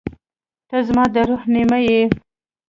• ته زما د روح نیمه یې.